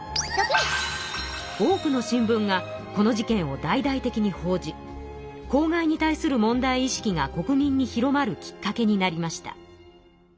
多くの新聞がこの事件を大々的に報じ公害に対する問題意識が国民に広まるきっかけになりました。